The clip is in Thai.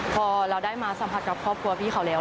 พอเราได้มาสัมผัสกับครอบครัวพี่เขาแล้ว